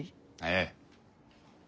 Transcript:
ええ。